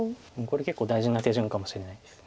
これ結構大事な手順かもしれないです。